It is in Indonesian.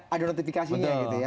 ada notifikasinya gitu ya